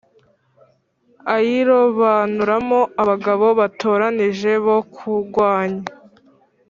Ayirobanuramo abagabo batoranije bo kurwanya